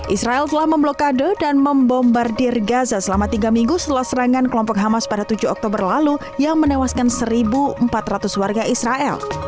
israel telah memblokade dan membombardir gaza selama tiga minggu setelah serangan kelompok hamas pada tujuh oktober lalu yang menewaskan satu empat ratus warga israel